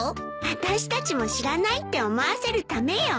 私たちも知らないって思わせるためよ。